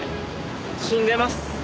死んでます。